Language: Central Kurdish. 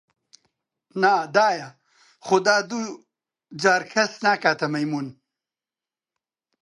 نا دایە گیان، خودا دوو جار کەس ناکەتە مەیموون!